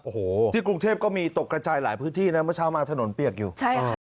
โอ้โหที่กรุงเทพก็มีตกกระจายหลายพื้นที่นะเมื่อเช้ามาถนนเปียกอยู่ใช่